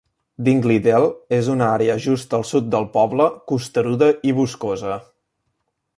Dingley Dell és una àrea just al sud del poble, costaruda i boscosa.